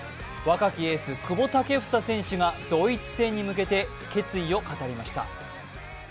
若きエース・久保建英選手がドイツ戦に向けて決意を語りました。